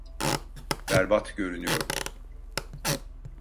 Berbat görünüyorum.